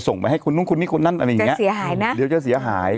ส่งมาให้คุณนุ่มคุณนี่คนนั่นอะไรอย่างเนี่ยจะเสียหายนะ